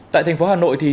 tại thành phố hà nội